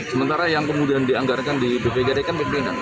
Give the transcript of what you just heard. sementara yang kemudian dianggarkan di bpgd kan pimpinan